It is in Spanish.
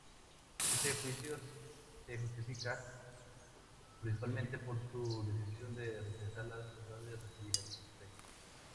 Este juicio se justifica, principalmente, por su decisión de rechazar las verdades recibidas, p.